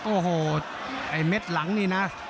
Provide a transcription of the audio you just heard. โอ้โหไอ้เม็ดหลังนี่นะ